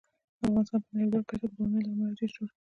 افغانستان په نړیواله کچه د بامیان له امله ډیر شهرت لري.